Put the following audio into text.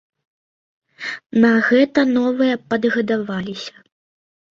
На гэта новыя падгадаваліся.